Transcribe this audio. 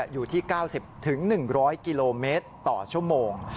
อยู่ที่๙๐๑๐๐กิโลเมตรต่อชั่วโมง